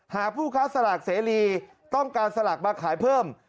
หากผู้ค้าสลากเสรีต้องการสลากมาขายเพิ่ม